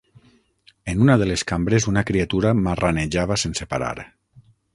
En una de les cambres, una criatura marranejava sense parar